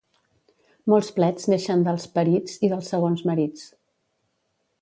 Molts plets neixen dels perits i dels segons marits.